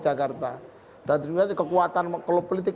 jakarta dan juga kekuatan kalau politik